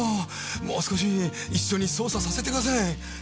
もう少し一緒に捜査させてください。